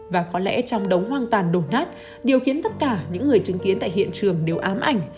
và có lẽ trong đống hoang tàn đổ nát điều khiến tất cả những người chứng kiến tại hiện trường đều ám ảnh